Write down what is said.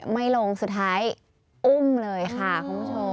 ไม่ลงสุดท้ายอุ้มเลยค่ะคุณผู้ชม